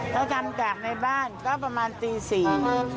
ถ้าจำกากในบ้านก็ประมาณ๔นาที